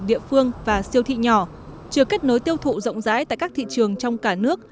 địa phương và siêu thị nhỏ chưa kết nối tiêu thụ rộng rãi tại các thị trường trong cả nước